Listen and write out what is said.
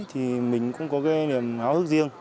thì mình cũng có cái niềm hào hức riêng